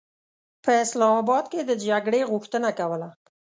په اسلام اباد کې د جګړې غوښتنه کوله.